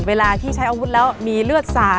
เวลาที่ใช้อาวุธแล้วมีเลือดสาด